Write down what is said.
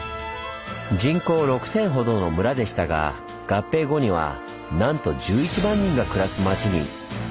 人口６，０００ほどの村でしたが合併後にはなんと１１万人が暮らす町に！